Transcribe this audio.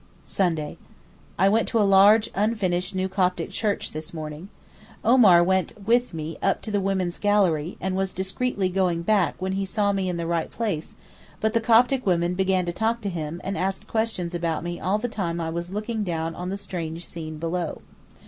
Sunday.—I went to a large unfinished new Coptic church this morning. Omar went with me up to the women's gallery, and was discreetly going back when he saw me in the right place, but the Coptic women began to talk to him and asked questions about me all the time I was looking down on the strange scene below.